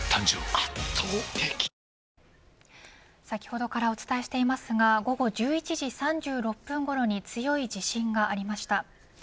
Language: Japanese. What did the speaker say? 先ほどからお伝えしていますが午後１１時３６分ごろに強い地震がありました。